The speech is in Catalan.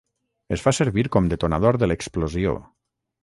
Es fa servir com detonador de l'explosió.